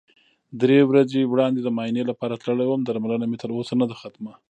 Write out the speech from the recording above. درې ورځې وړاندې د معاینې لپاره تللی وم، درملنه مې تر اوسه نده ختمه.